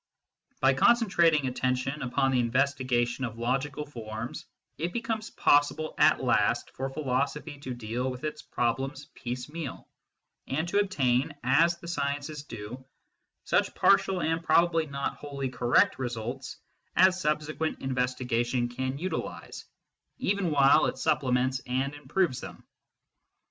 By concentrating attention upon the investigation of logical forms, it becomes possible at last for philosophy to deal with its problems piecemeal, and to obtain, as the sciences do, such partial and probably not wholly correct results as subsequent investigation can utilise SCIENTIFIC METHOD IN PHILOSOPHY 113 even while it supplements and improves them.